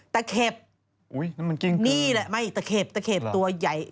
เข็บนี่แหละไม่ตะเข็บตะเข็บตัวใหญ่